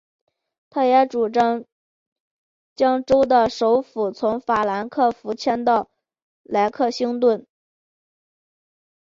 他也主张将州的首府从法兰克福迁到莱克星顿。